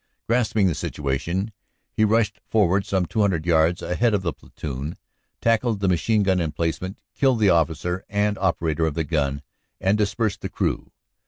Grasping the situation, he rushed forward some 200 yards ahead of the platoon, tackled the machine gun emplace ment, killed the officer and operator of the gun, and dispersed the crew.